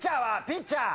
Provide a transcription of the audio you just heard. ピッチャー。